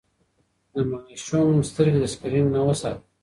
د ماشوم سترګې د سکرين نه وساتئ.